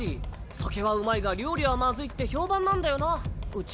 酒はうまいが料理はまずいって評判なんだよなうち。